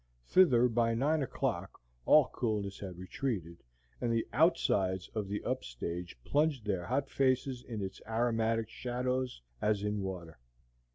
Thither by nine o'clock all coolness had retreated, and the "outsides" of the up stage plunged their hot faces in its aromatic shadows as in water.